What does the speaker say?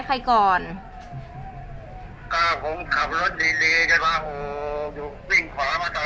ใครก่อนก็ผมขับรถดีกันว่าโอยูวิ่งไว้ตลอด